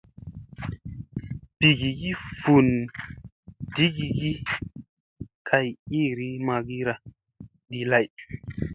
Bigigi vundigigi kay iiri magira ɗi lay.